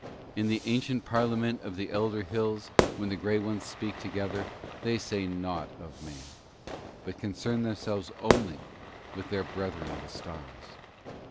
In the ancient parliament of the elder hills, when the grey ones speak together, they say nought of Man, but concern themselves only with their brethren the stars.